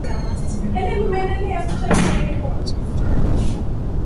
mara nyingi hukodisha vyumba nchini Uturuki na